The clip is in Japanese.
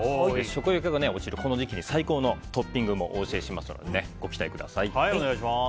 食欲が落ちるこの時期に最高のトッピングもお教えしますのでご期待ください。